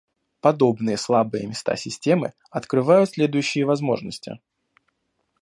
Подобные слабые места системы открывают следующие возможности